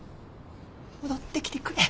戻ってきてくれ。